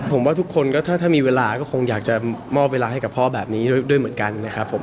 ผมว่าทุกคนก็ถ้ามีเวลาก็คงอยากจะมอบเวลาให้กับพ่อแบบนี้ด้วยเหมือนกันนะครับผม